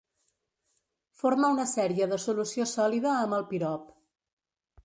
Forma una sèrie de solució sòlida amb el pirop.